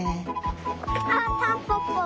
あっタンポポ！